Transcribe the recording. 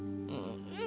うん！